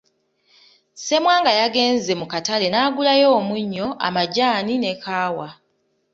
Ssemwanga yagenze mu katale n’agulayo omunnyo, amajaani ne kaawa.